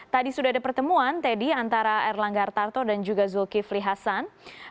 tadi sudah ada pertemuan teddy antara erlangga hartarto dan juga zulkifli hasan